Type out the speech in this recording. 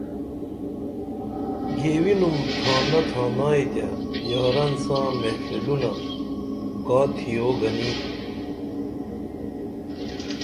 گیوینُم تھانہ تھانائی تے یاران ساں محفلونہ کا تِھیو گنی